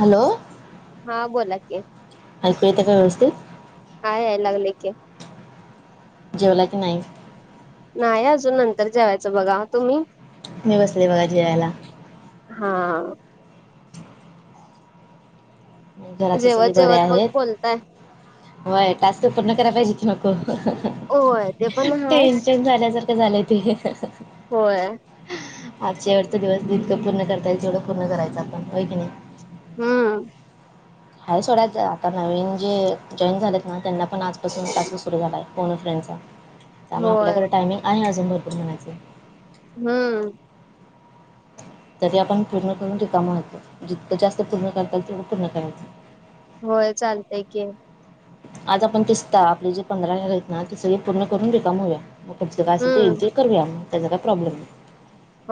Hello हां बोलां की ऐकू येतं कायं व्यवस्थितं हां यांयला लागलें की जेवलां की नाहीं नाहीं अजूंन नंतर जेवायचं बघां तुम्हीं मी बसले बघां जेवायलां हां घरांतले सगळें जेवत बरे जेवत मग बोलताय आहेतं वंय टांस्क पूर्ण करायलां पाहिजेतं नको होय ते पण हाय टेन्शनं झाल्यांसारखं झालंय ते होयं आजच्यां वटचां दिवस जितकं पूर्ण करतायचं तेवढं पूर्ण करायचं आपणं होयं की नाहीं हम्मं हां सोड्यायचं आतां नवीन जे जॉईन झालेत नां त्यांना पणं आंजपासून टांस्क सुंरू झालायं फोन अ फ्रेंड त्यामुळें होय आपल्यांकडे टायमिंग आहे अजूंन भरंपूर म्हणायचे. हम्मं तरी आपणं पूर्ण करूंन टिकांव मारतो जितकं जास्तं पूर्ण करतालं तेवं पूर्ण करायचं होयं चालतंय की आंज आपणं दिसतां आपले जे पंधरा हं आहेत नां ते सगळें पूर्ण करूंन रिकामं होऊयां मंग कुमचं कायं असं हम्म तो करुंया त्यांचा काही पाॅबलेम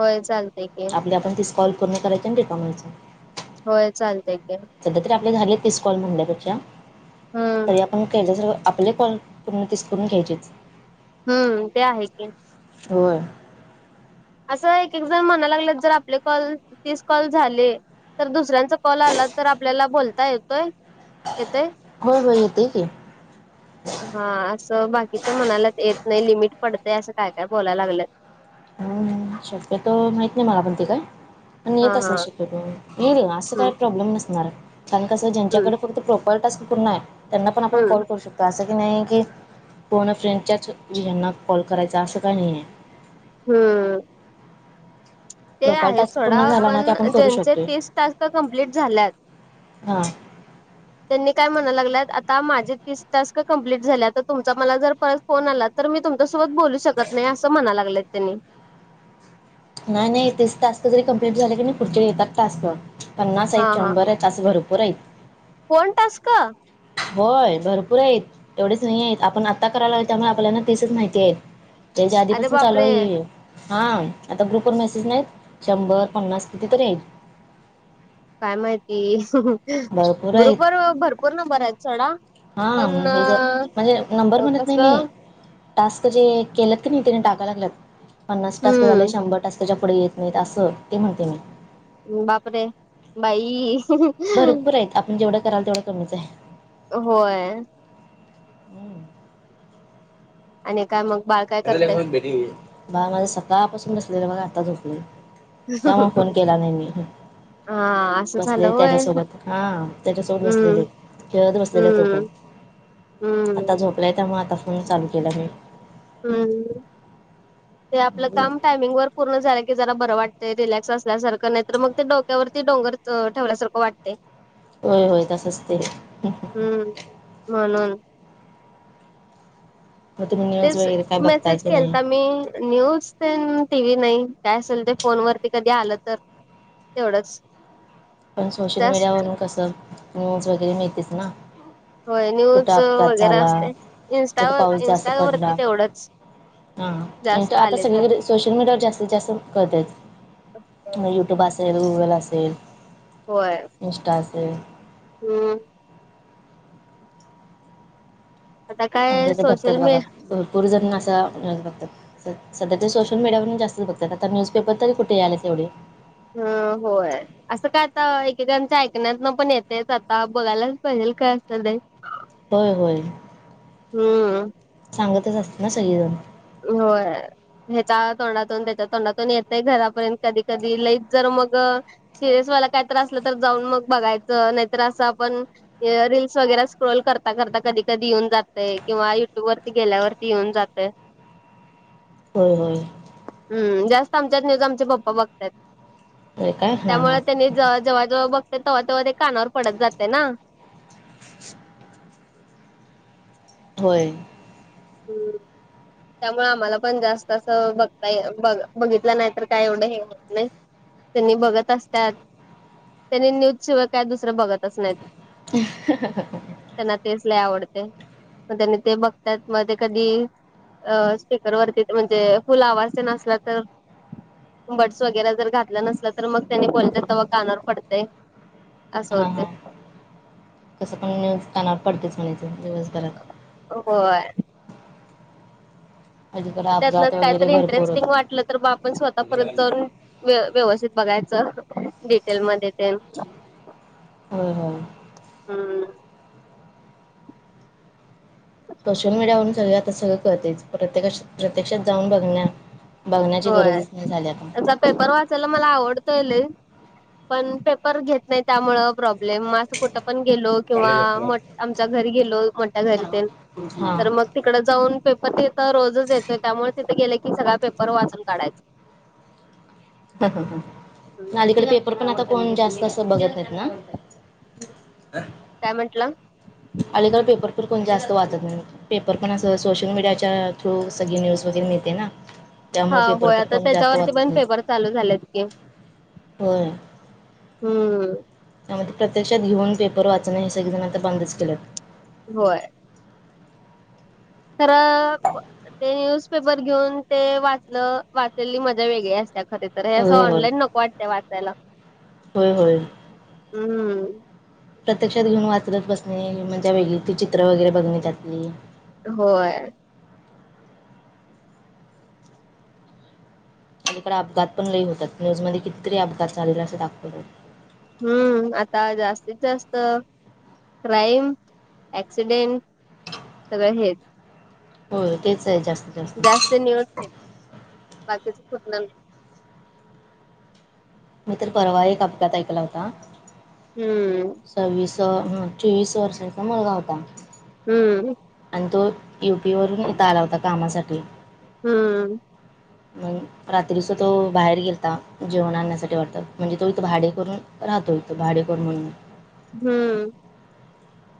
होय चालतय की आपले आपणं तीनं काॅल पूर्ण करायचं आणि रिकामं व्हायचं होयं चालतंय की संध्या तरी आपल्यां झाले तीसं कॉल म्हणल्यांपेक्षा हम्म तरी आपणं केयच्यां सं आपले कॉल पूर्ण तीसं करूंन घ्यांयचेचं. हम्मं ते आहे की होय. असं एक इकझाम म्हणायला लागलेत जर आपले कॉल, तीस कॉल झाले. तर दुसऱ्यांचा कॉल आला तर आपल्याला बोलता येतोय, येतोय. होय होय येतय की. हा असं बाकीच्या मनालेत नाही लिमिट पडतंय असं काय, काय बोलाया लागल्यात. हं शक्यतो माहित नाही मला पण ते काय. आणि हा येत असं हा शक्यतो येईल ना अस हम्म काय प्रॉब्लेम नसणार कारण कसं हम्म ज्यांच्याकडे फक्त प्रॉ [unintelligible] टास्क पूर्ण आहे. त्यांना पण आपण हम्म कॉल करू शकतो. तर असं की नाही आहे की फोन अ फ्रेंडच्याच ह्यांना कॉल करायचा असं काही नाही आहे. हं. ते प्रोफाईल आहेत टास्क सोडा पूर्ण झाला ना पण की आपण करू ज्यांचे शकतोय तीस टास्क कंप्लीट झाल्यात. हा. त्यांनी काय म्हणा लागलंत आता माझे तीस टास्क कंप्लीट झालेत तर तुमचा मला जर परत फोन आला तर मी तुम तुमच्या सोबत बोलू शकत नाही असं म्हणा लागलेत त्यांनी. नाही, नाही तेच टास्क तरी कम्प्लीट झाले की नाही पुढचे येतात टास्क म. पन्नास हा आहेत, हा शंभर आहेत, तस भरपूर आहेत. Phone task. होय भरपूर आहेत. एवढेच नाही आहेत. आपण आता करायला त्यामुळे आपल्यालाना तीसच माहिती आहेत. त्यांचे अरे आधीपासून चालू बापरे आहे हे. हा आता ग्रुप वर मेसेज नाहीत शंभर, पन्नास किती तरी आहेत. काय माहिती भरपूर आहेत ग्रुप वर भरपूर नंबर आहेत सोडा. हा, पण हे जर म्हणजे नंबर म्हणत नाही मी. कसं टास्क जे केलत की नाही त्याने टाकायला लागत पन्नास टास्क हम्म झाले, शंभर टास्काच्या पुढे येत. नाहीत असं ते म्हणते मी. बापरे बाई.. भरपूर आहेत. आपण जेवढं कराल तेवढं कमीच आहे. होय. आणि काय मग बाळ काय? करतय भेट बाळ माझ सकाळपासून बसलेलं बघा आता झोपलाय. त्यामुळे फोन केला नाही मी. हा असं झालं बसलेले होय त्याच्यासोबत हा त्याच्यासोबत बसलेले. हम्म खेळत बसलेला तो पण. हं. तो झोपलाय त्यामुळे आता फोन केला मी. हम्म ते आपलं काम म्हणजे टाईम टायमिंग वर पूर्ण झाल्या की जरा बरं वाटत रिलॅक्स असल्यासारंख नाही तर मग ते डोक्यावरती डोंगर ठेवल्यासारखं वाट ते... व्हय, व्हय तसंच ते. हम्म म्हणून. मग तुम्ही न्यूज तेच वगैरे काय बघताय मेसेज की नाही केलता मी न्यूज तेन टी, व्ही नाही काय असेल ते फोन वरती कधी आलं तर. तेवढंच. पण सोशल जास्त मीडियावरून कसं न्यूज वगैरे मिळतेचना. होय न्यूज वगैरे असते कुठं इनस्टावर पाऊस जास्त इंस्टा वरती पडला तेवढंच. हा जास्त आता आले तर सगळीकडे सोशल मीडियावर जास्तीत, जास्त कळतय. यूट्यूब असेल, गुगल असेल. होय. इंस्टा असेल. हम्म. आता काय आमचै ते बघतात सोशल मी बघा भरपूर जण असा बघतात. सध्या ते सोशल मीडियावरून जास्तच बघतात‌ आता न्यूज पेपर तरी कुठे याल्यात एवढे? हम होय. [unintelligible] असं काय आता एकेकांच्या ऐकण्यात ना पण येतेच आता बघायलाच पाहिजेल काय असं नाही. व्हय व्हय. [unintelligible] हम्म. [unintelligible] सांगतच असत ना सगळीजण. [unintelligible] होय. [unintelligible] ह्याच्या तोंडातून त्याच्या तोंडातून येतय घरापर्यंत कधी कधी लई जर मग सिरयस वाल काय तर असलं तर जाऊन मग बघायचं नाहीतर असं आपण रीलस वगैरे स्क्रोल करता करता कधी कधी येऊन जातंय. किंवा युट्यूब वरती गेल्यावरती येऊन जातंय. व्हय व्हय. [unintelligible] हम्म जास्त आमच्यात न्यूज आमचे पप्पा बघत्यात‌. [unintelligible] होय काय हां हां त्यामुळे त्यांनी ज जेव्हा जेव्हा बघते तेव्हा तेव्हा ते कानावर पडत जाते ना. व्हय. [unintelligible] हम्. [unintelligible] त्यामुळे आम्हाला पण जास्त असं बघता ब बघितलं नाही तर काय एवढं हे होत नाही. त्यांनी बघत असत्यात त्यांनी न्यूज शिवाय काय दुसरं बघत हा हा. [unintelligible] त्यांना तेच लई आवडते मग त्यांनी ते बघतात मग ते कधी अ स्पिकर‌ वरती म्हणजे फुल आवाज येन असला तर बर्डस वगैरे जर घातलं नसला तर मग त्यांनी बोलत्यात तव्हा कानावर पडतय. असं हा हा होतय. कसं पण न्यूज कानावर पडतयच म्हणायच दिवसभरात. व्हय. [unintelligible] अलीकडे त्यातन अपघात वगैरे कायतरी भरपूर इंटरेस्टिंग होतात वाटलं तर ब आपण स्वतः परत जाऊन [unintelligible] व्य व्यवस्थित बघायचं डिटेल मध्ये तेन. हो हो. हम्म. सोशल मीडियावरून सगळे आता सगळं कळतंय प्रत्येका प्रत्यक्षात जाऊन बघण्यात व्हय. पेपर वाचायला मला आवडतय लई पण पेपर घेत नाही त्यामुळे प्रॉब्लेम मग कुठं पण गेलो किंवा आमच्या घरी गेलो मोठ्या घरी तेन हा. तिकड जाऊन पेपर तिथं रोजच येतोय त्यामुळे तिथं गेले की सगळा पेपर वाचून काढायचा. ह ह ह अलीकडे पेपर पण आता कोण जास्त अस बघत नाही ना. काय म्हंटला? अलीकड पेपर प कोणी जास्त वाचत नाही. पेपर पण अस सोशल मीडियाच्या थ्रू सगळी न्यूज वगैरे मिळते ना. हा त्यामुळे पेपर व्हय पण आता कोण जास्त त्याच्यावरती वाचत पण नाहीत. पेपर चालू झाल्यात की. होय हम्म त्यामध्ये प्रत्यक्षात घेऊन पेपर वाचणं हे सगळे जण आता बंदच केलेत होय खर ते न्यूज पेपर घेऊन ते वाच वाचलेली मजा वेगळी असतिया खर तर हे असं होय होय ऑनलाईन नको वाटतं. वाचायला. होय होय. हम्म. प्रत्यक्षात घेऊन वाचत बसणे म्हणजे वेगळी त चित्र वगैरे बघणी जातली होय अकडे अपघात पण ल होतात न्यूज मध्ये कितीतरी अपघात झालेला असं दाखवत होत हम्म. आता जास्तीत जास्त क्राईम, ॲक्सिडेंट सगळं हेच. होय, तेच हाय जास्त. जास्त [unintelligible] बाकीच [unintelligible] मी तर परवा एक अपघात ऐकला होता. हम्म. सव्वीस ह चोवीस वर्षांचा मुलगा होता. हम्म. आणि तो यू पी वरून इथ आला होता कामासाठी. हम्म. म रात्रीच तो बाहेर गेलता. जेवण आणण्यासाठी वाटतं म्हणजे तो इथं भाडे करू - - राहतोय तो भाडेकरू म्हणुन. हम्म.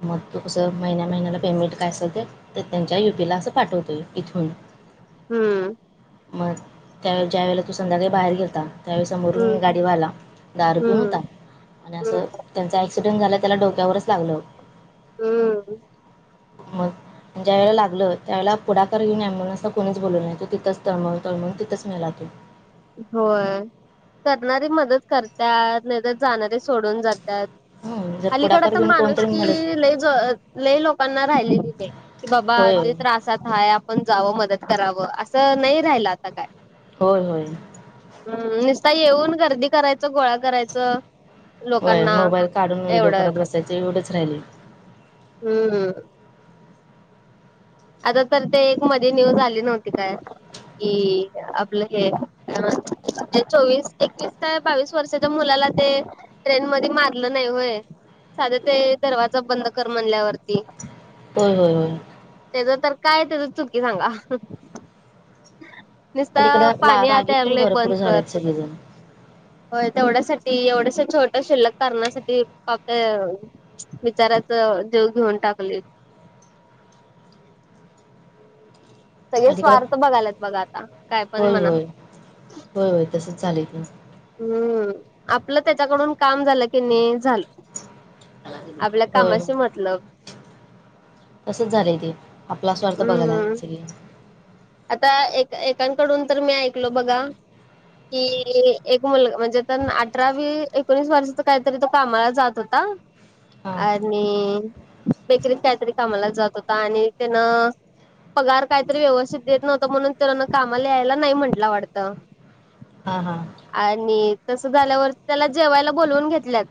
मग तो कसं महिन्या महिन्याला पेमेंट काय असलं ते तर त्यांच्या युपी ला असं पाठवतोय इथून. हम्म. मग त्या वेळ ज्यावेळेला तो संध्याकाळी बाहेर गेलता - - त्यावेळी हम्म समोरून गाडीवाला दार पिऊन हम्म हुता. आणि हम्म असं त्यांचा ॲक्सिडेंट झाला त्याला डोक्यावरच लागलं. हम्म. मग - - आणि ज्यावेेळे लागलं त्यावेळेला पुढाकार घेऊन ॲम्बुलन्सला कोणीच बोलू नाही तिंच तळमळून तळमळुन तिंतच मेला तो. होय. करणारी मदत करत्यात नाही तर, जाणारे सोडून जात्यात. हं, जर अलीकड पुढाकार तर घेऊन माणूस कोणतरी की मदत लई ज लई लोकांना राहिलेली नाही. कि बाबा होय ते त्रासात हाय, आपण जावं मदत करावं. असं नाही राहिल आता काय. होय, होय. हम्. नसता येऊन गर्दी करायचं. गोळा करायचं. होय. लोकांना मोबाईल काढून व्हिडिओ एवढंच. करत बसायच एवढंच राहिलयं. हम्म. आता तर ते एक मध्ये न्यूज आली नव्हती काय. कि आपलं हे चोवीस एकवीस काय - - बावीस वर्षाच्या मुलाला ते ट्रेन मध्ये मारलं नाही होय. साध ते दरवाजा बंद कर म्हणल्यावरती. होय, होय, होय. त्याच तर काय त्याच चुकी सांगा. निसत अलीकडं ला पाणी आत रागीट पण यायलागलयं बंद भरपूर कर. झालेत सगळेजण होय. तेवढ्यासाठी एवढ्याश्या छोट्या शिल्लक कारणासाठी [unintelligible] बिचार्याचं जिव घेऊन टाकलित. सगळे अलीकडं स्वार्थ बघायलात बघा आता, काय पण होय म्हणा. होय. होय. तसच चालय [unintelligible] हम्म. आपलं त्याच्याकडून काम झालं कीनी झालं. आपल्या कामाशी मतलब. तसच झालंय ते आपला स्वार्थ बघाय हम्म लागल्यात सगळी. आता एक एकांकडून तर मी ऐकल बघा की एक मुल म्हणजे तर अठरावी एकोणीस वर्षाचा काहीतरी तो कामाला जात होता. हां आणि बेकरीत काहीतरी कामाला जात होता आणि तेनं - - पगार काहीतरी व्यवस्थित देत नव्हता म्हणून तेन कामाला यायला नाही म्हटला वाटतं हा. हा. आणि तसं झाल्यावर त्याला जेवायला बोलवून घेतल्यात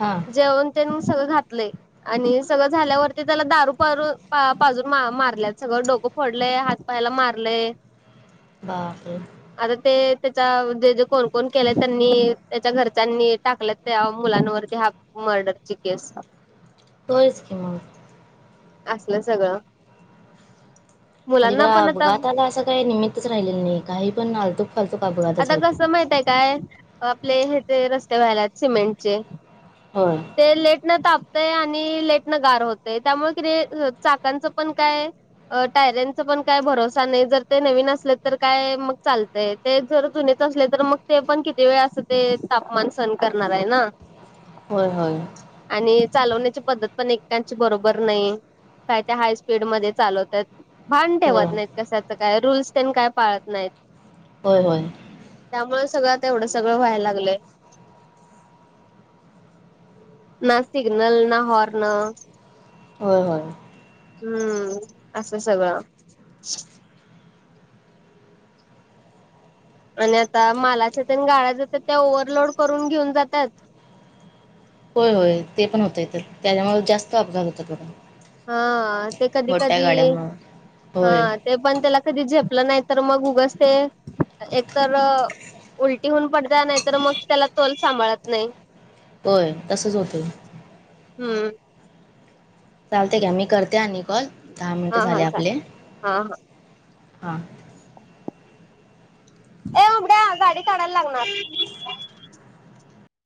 हं. जेवण तेन सगळं घातलय आणि सगळं झाल्यावरती त्याला दारू पारू पाजून मारल्यात सगळं डोकं फोडलय हात पायाला मारलय बाप [unintelligible] आता ते त्याच्या जे जे कोण कोण केल्यात त्यांनी त्याच्या घरच्यांनी टाकल्यात त्या मुलांनवरती हाफ मर्डरची केस होयचं की मग असलं सगळं म्हणजे मुलांना इकडं पण आता अपघाताला असं काही निमित्तच राहिलेलं नाही काही पण आलतोफालतो अपघात आता कसं माहित आहे काय आपले हे ते रस्ते व्हायलात सिमेंटचे होय ते लेट न तापतय आणि लेटन गार होतय त्यामुळे क [unintelligible] चाकांचं पण काय टायऱ्यांचा पण काय भरोसा नाही जर ते नवीन असले तर काय मग चालतय ते जर जुनेच असले तर मग ते पण किती वेळ असं ते तापमान सण करणार आहे ना होय होय आणि चालवण्याची पद्धत पण ऐकेकांची बरोबर नाही काय त्या हाय स्पीड मध्ये चालवत्यात भान होय ठेवत नाहीत कशाच काय रूल्स तेन काय पाळत नाहीत होय होय त्यामुळे सगळं तेवढं सगळं व्हायला लागलंय ना सिग्नल ना हॉर्न होय होय हम्म असं सगळं आणि आता मालाच्या तेन गाळ्या [unintelligible] जातात [unintelligible] ते ओव्हर लोड करून घेऊन जात्यात होय होय ते पण होतंय तर त्याच्यामुळे जास्त अपघात होतात लोघण [unintelligible] हा ते कधी कधी हा होय ते पण त्याला कधी झेपलं नाही तर मग उगच ते एकतर उलटी होऊन पडत्या नाही तर मग त्याला तोल सांभाळत नाही होय तसच होतय हम्म चालतय घ्या मी करते आणि कॉल दहा हा मिनटं झाले हा चालेल हा हा हा ए उबड्या गाडी काढायला लागणार